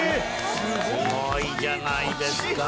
すごいじゃないですか。